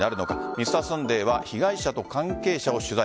「Ｍｒ．サンデー」は被害者と関係者を取材。